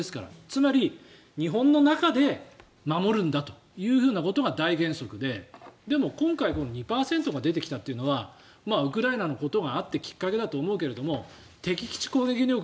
つまり日本の中で守るんだということが大原則で今回、２％が出てきたというのはウクライナのことがあってきっかけだと思うけれど敵基地攻撃能力